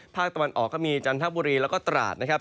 ภาคตะวันออกก็มีจันทบุรีแล้วก็ตราดนะครับ